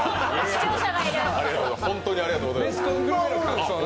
ホントにありがとうございます。